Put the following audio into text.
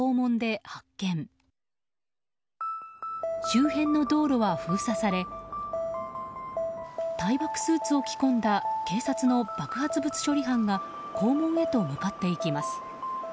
周辺の道路は封鎖され耐爆スーツを着込んだ警察の爆発物処理班が校門へと向かっていきます。